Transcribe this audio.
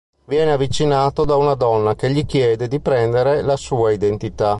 Viene avvicinato da una donna che gli chiede di prendere la sua identità.